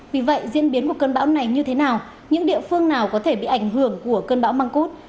vì vậy diễn biến của cơn bão này như thế nào những địa phương nào có thể bị ảnh hưởng của cơn bão măng cút